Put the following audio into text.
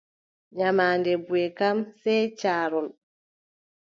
Nyamaande buʼe kam, sey caarol.